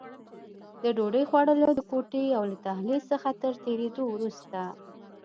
د ډوډۍ خوړلو د کوټې او له دهلېز څخه تر تېرېدو وروسته.